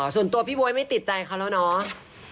ส่วนตัวพี่บ๊วยไม่ติดใจเขาแล้วเนาะ